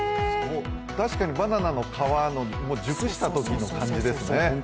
確かにバナナの熟したときの感じですね。